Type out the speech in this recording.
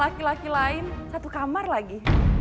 laki laki lain satu kamar lagi